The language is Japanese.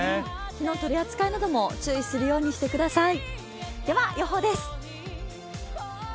火の取り扱いなども注意するようにしてください。